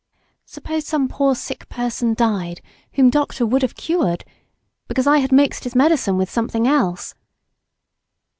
Suppose some poor sick person died, whom Dr.—— would have cured, because I had mixed his medicine with something else.